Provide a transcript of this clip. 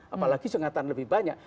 apalagi sengatan lebih banyak